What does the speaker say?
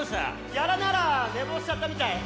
ヤラなら寝坊しちゃったみたい。